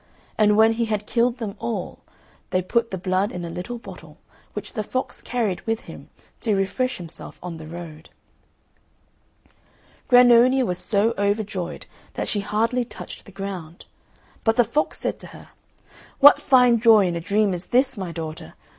And when he had killed them all they put the blood in a little bottle, which the fox carried with him, to refresh himself on the road. Grannonia was so overjoyed that she hardly touched the ground; but the fox said to her, "What fine joy in a dream is this, my daughter!